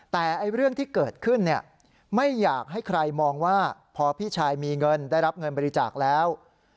แต่เรื่องที่เกิดขึ้นไม่อยากให้ใครมองว่าพอพี่ชายมีเงินได้รับเงินบริจาคแล้ว